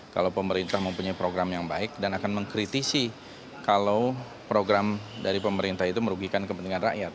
kalau pemerintah mempunyai program yang baik dan akan mengkritisi kalau program dari pemerintah itu merugikan kepentingan rakyat